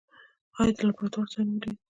ایا د لابراتوار ځای مو ولید؟